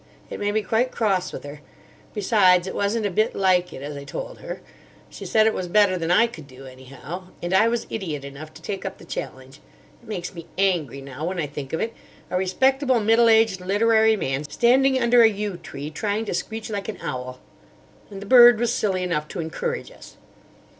It made me quite cross with her. Besides, it wasn't a bit like it, as I told her. She said it was better than I could do, anyhow; and I was idiot enough to take up the challenge. It makes me angry now, when I think of it: a respectable, middle aged literary man, standing under a yew tree trying to screech like an owl. And the bird was silly enough to encourage us.